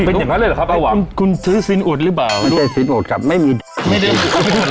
เป็นเหมือนกันเลยเหรอครับครับผมคุณคุณซื่อสินอดรึเปล่ามีแบบนี้ทีกินค่ะ